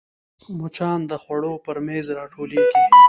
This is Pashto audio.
مچان د خوړو پر میز راټولېږي